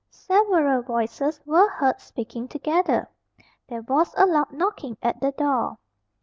Several voices were heard speaking together. There was a loud knocking at the door.